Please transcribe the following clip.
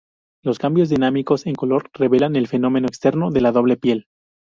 Los cambios dinámicos en color revelan el fenómeno externo de la doble piel.